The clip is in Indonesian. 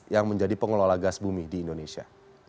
yang menjadi pengelola gas bumi di indonesia